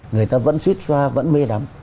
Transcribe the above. người ta vẫn suýt xoa vẫn mê đắm